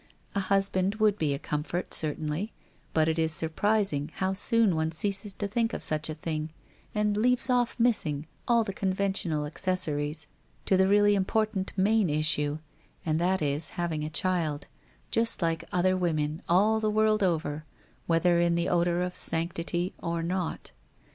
A husband would be a comfort, certainly, but it is surprising how soon one ceases to think of such a thing, and leaves off missing all the conventional acces sories to the really important main issue, and that is having a child, just like other women all the world over, whether in the odour of sanctity or not.